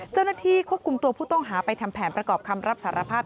เจ้าหน้าที่ควบคุมตัวผู้ต้องหาไปทำแผนประกอบคำรับสารภาพ